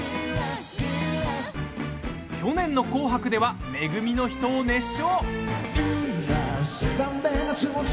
去年の「紅白」では「め組のひと」を熱唱！